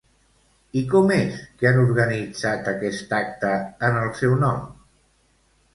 I com és que han organitzat aquest acte en el seu nom?